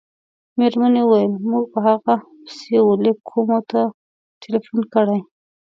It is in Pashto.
مېرمنې وویل: موږ په هغه پسې وه لېک کومو ته ټېلیفون کړی.